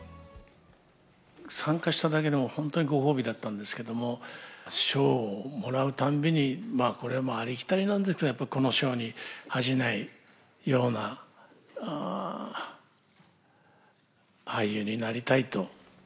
参加しただけでも本当にご褒美だったんですけれども、賞をもらうたんびにこれはもう、ありきたりなんですが、やっぱりこの賞に恥じないような俳優になりたいと。